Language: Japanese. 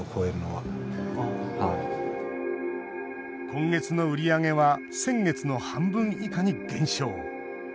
今月の売り上げは先月の半分以下に減少。